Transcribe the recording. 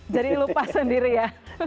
jadi lupa sendiri ya